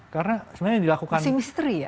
karena sebenarnya dilakukan masih misteri ya